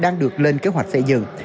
nên kế hoạch xây dựng